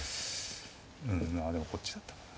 うんまあでもこっちだったかな。